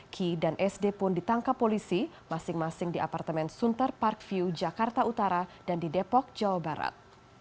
key dan sd pun ditangkap polisi masing masing di apartemen sunter park view jakarta utara dan di depok jawa barat